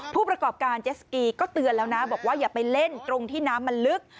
ผู้ประกอบการเจสกีก็เตือนแล้วนะบอกว่าอย่าไปเล่นตรงที่น้ำมันลึก